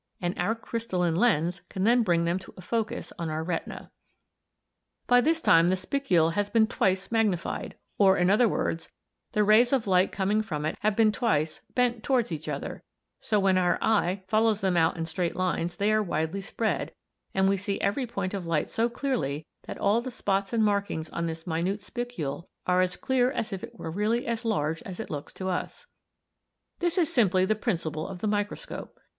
13), and our crystalline lens can then bring them to a focus on our retina. "By this time the spicule has been twice magnified; or, in other words, the rays of light coming from it have been twice bent towards each other, so that when our eye follows them out in straight lines they are widely spread, and we see every point of light so clearly that all the spots and markings on this minute spicule are as clear as if it were really as large as it looks to us. "This is simply the principle of the microscope.